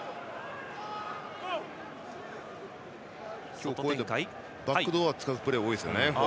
今日はバックドアを使うプレーが多いですね。